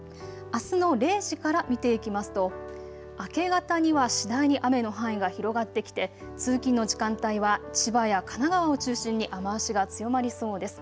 あすの０時から見ていきますと、明け方には次第に雨の範囲が広がってきて通勤の時間帯は千葉や神奈川を中心に雨足が強まりそうです。